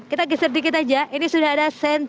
kita cari k tae